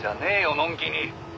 のんきに」